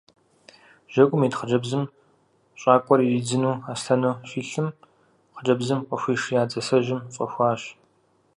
Жьэгум ит хъыджэбзым щӏакӏуэр иридзыну аслъэну щилъым, хъыджэбзым къыхуишия дзасэжьым фӏэхуащ.